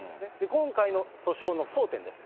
今回の訴訟の争点です。